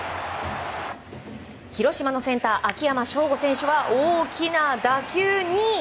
広島のセンター、秋山翔吾選手は大きな打球に。